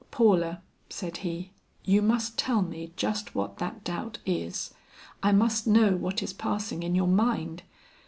"Paula," said he, "you must tell me just what that doubt is; I must know what is passing in your mind.